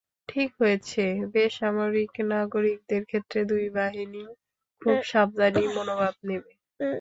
ঠিক হয়েছে, বেসামরিক নাগরিকদের ক্ষেত্রে দুই বাহিনীই খুব সাবধানী মনোভাব নেবে।